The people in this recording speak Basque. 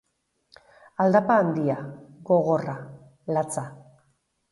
Aldapa handia, gogorra, latza.